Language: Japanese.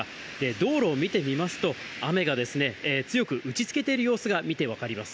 道路を見てみますと、雨が強く打ちつけている様子が見て分かります。